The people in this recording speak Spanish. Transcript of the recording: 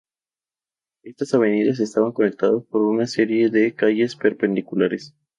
Estas avenidas estaban conectadas por una serie de calles perpendiculares.